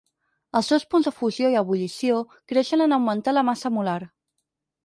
Els seus punts de fusió i ebullició creixen en augmentar la massa molar.